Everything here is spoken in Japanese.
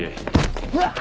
うわっ！